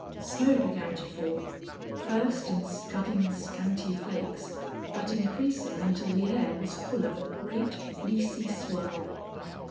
Snow began to fall, first in scudding, scanty flakes, but increasing until the air was full of a great, fleecy swirl.